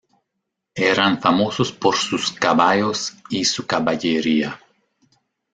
Eran famosos por sus caballos y su caballería.